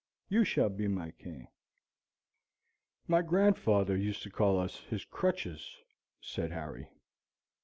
You shall be my cane." "My grandfather used to call us his crutches," said Harry.